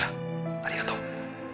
ありがとう